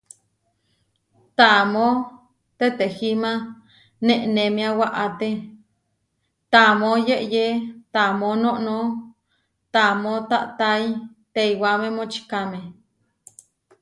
Taamó tetehíma nenémia waáte, taamó yeʼyé taamó noʼnó taamó taatái teiwáme močikáme.